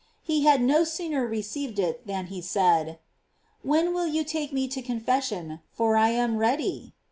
He had no sooner received it than he said: "When will you take me to confession, for I am ready